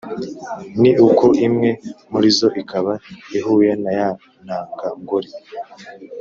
ni uko imwe murizo ikaba ihuye na ya ntangangore,